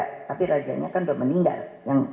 tapi rajanya kan udah meninggal yang